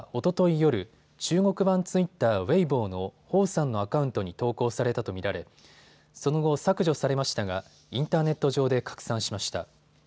夜、中国版ツイッター、ウェイボーの彭さんのアカウントに投稿されたと見られその後、削除されましたがインターネット上で拡散しました。